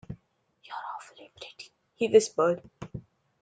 "You're awfully pretty," he whispered.